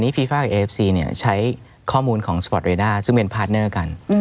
ฟีฟ่ากับเอฟซีเนี่ยใช้ข้อมูลของสปอร์ตเรด้าซึ่งเป็นพาร์ทเนอร์กัน